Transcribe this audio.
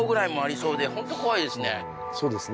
そうですね